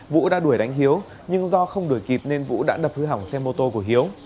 vũ đã đuổi đánh hiếu nhưng do không đuổi kịp nên vũ đã đập hư hỏng xe mô tô của hiếu